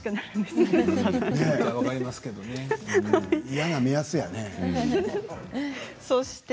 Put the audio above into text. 嫌な目安やね。